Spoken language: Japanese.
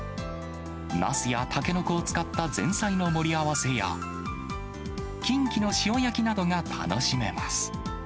ナスやタケノコを使った前菜の盛り合わせや、キンキの塩焼きなどが楽しめます。